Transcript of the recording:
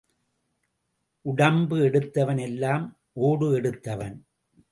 உடம்பு எடுத்தவன் எல்லாம் ஓடு எடுத்தவன்.